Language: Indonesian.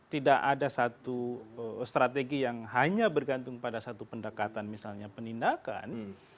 tidak ada satu strategi yang hanya bergantung pada satu pendekatan misalnya penindakan